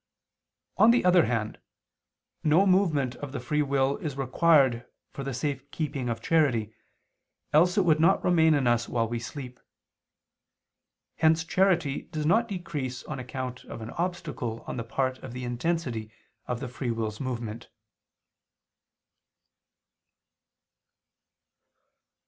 On the other hand, no movement of the free will is required for the safe keeping of charity, else it would not remain in us while we sleep. Hence charity does not decrease on account of an obstacle on the part of the intensity of the free will's movement.